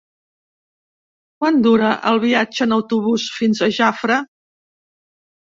Quant dura el viatge en autobús fins a Jafre?